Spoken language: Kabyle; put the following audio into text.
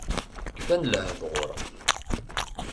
Kfan lehdur.